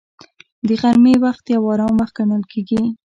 د غرمې وخت یو آرام وخت ګڼل کېږي